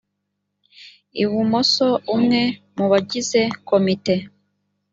ibumoso umwe mu bagize komite